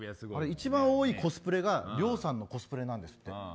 一番多いコスプレが両さんのコスプレなんですって。